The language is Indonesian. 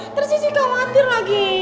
ntar sisi kau ngantir lagi